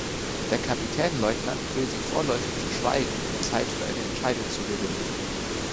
Der Kapitänleutnant will sie vorläufig verschweigen, um Zeit für eine Entscheidung zu gewinnen.